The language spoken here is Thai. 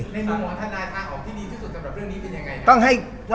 ในมุมหาท่านได้ทางออกที่ดีที่สุดกับเรื่องนี้เป็นยังไงครับ